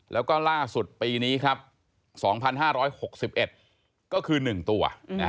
แล้วก็ล่าสุดปีนี้ครับ๒๕๖๑ก็คือ๑ตัว